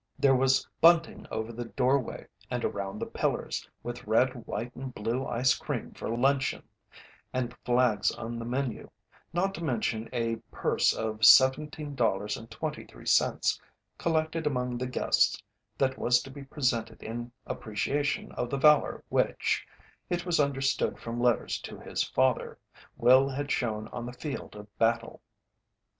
There was bunting over the doorway and around the pillars, with red, white, and blue ice cream for luncheon, and flags on the menu, not to mention a purse of $17.23 collected among the guests that was to be presented in appreciation of the valour which, it was understood from letters to his father, Will had shown on the field of battle.